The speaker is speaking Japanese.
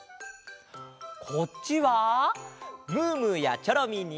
こっちはムームーやチョロミーに。